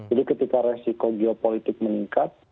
jadi ketika resiko geopolitik meningkat